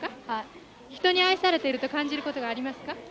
はい人に愛されていると感じることがありますか？